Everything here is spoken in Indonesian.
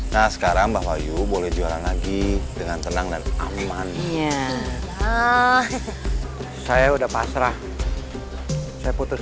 nah sekarang mbak wahyu boleh juara lagi dengan tenang dan aman saya udah pasrah saya putus